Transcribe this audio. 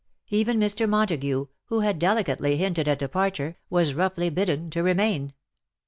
Even Mr. Montagu, who had delicately hinted at departure, was roughly bidden to remain.